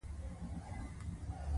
د پیتالوژي علم د بدن هره برخه پېژني.